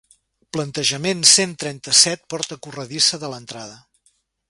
Plantejament cent trenta-set porta corredissa de l'entrada.